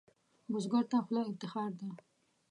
بزګر ته خوله افتخار ده